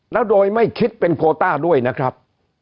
แล้วโดยไม่คิดเป็นโคต้าด้วยนะครับ